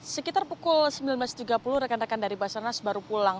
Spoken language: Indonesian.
sekitar pukul sembilan belas tiga puluh rekan rekan dari basarnas baru pulang